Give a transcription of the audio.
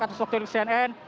kata sok tewi cnn